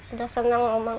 udah seneng omang